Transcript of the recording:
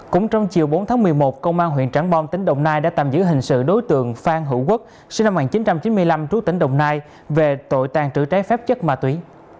cũng trong chiều bốn tháng một mươi một công an huyện trảng bom tỉnh đồng nai đã tạm giữ hình sự đối tượng phan hữu quốc sinh năm một nghìn chín trăm chín mươi năm trú tỉnh đồng nai về tội tàn trữ trái phép chất ma túy